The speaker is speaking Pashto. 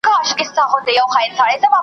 ¬ خواره بازاري، هغه ته، ها دي خواري.